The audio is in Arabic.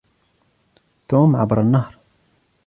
توم عبر النهر.